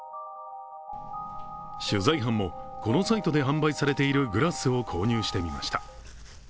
取材班も、このサイトで販売されているグラスを購入してみました。